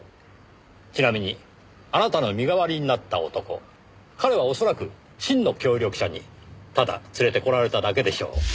ちなみにあなたの身代わりになった男彼は恐らく真の協力者にただ連れて来られただけでしょう。